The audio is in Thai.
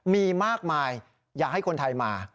มีมากมายอยากให้คนไทยมา